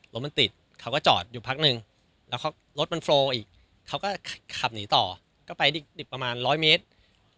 รถมันติดเขาก็จอดอยู่พักนึงแล้วรถมันโฟลอีกเขาก็ขับหนีต่อก็ไปประมาณร้อยเมตร